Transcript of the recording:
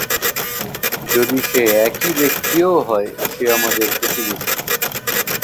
যদি সে একই ব্যাক্তিও হয় সে আমাদের প্রতিবেশী।